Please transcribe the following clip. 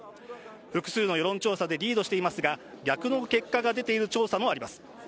複数の世論調査でリードしていますが逆の結果が出ている調査もあります。